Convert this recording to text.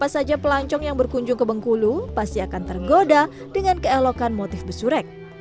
siapa saja pelancong yang berkunjung ke bengkulu pasti akan tergoda dengan keelokan motif besurek